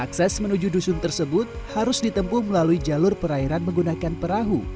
akses menuju dusun tersebut harus ditempuh melalui jalur perairan menggunakan perahu